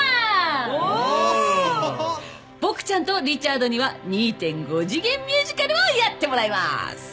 ボクちゃんとリチャードには２．５次元ミュージカルをやってもらいます。